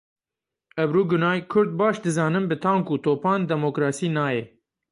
Ebru Gunay Kurd baş dizanin bi tank û topan demokrasî nayê.